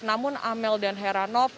namun amel dan heranov